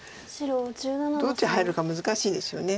どっち入るか難しいですよね。